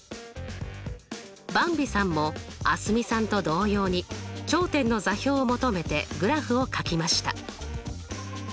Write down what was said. ばんびさんも蒼澄さんと同様に頂点の座標を求めてグラフをかきました。